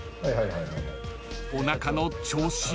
［おなかの調子は？］